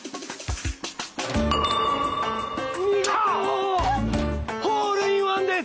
見事ホールインワンです！